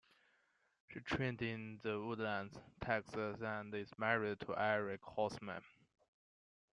She trained in The Woodlands, Texas and is married to Eriek Hulseman.